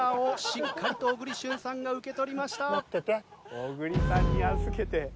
小栗さんに預けて。